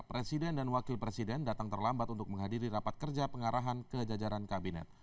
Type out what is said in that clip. presiden dan wakil presiden datang terlambat untuk menghadiri rapat kerja pengarahan ke jajaran kabinet